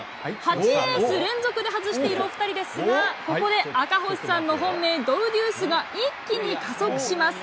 ８レース連続で外している２人ですが、ここで赤星さんの本命、ドウデュースが一気に加速します。